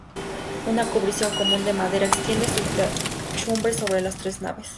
Una cubrición común de madera extiende su techumbre sobre las tres naves.